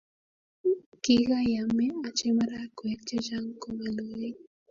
kigaiame ache marakwek chechang komaloit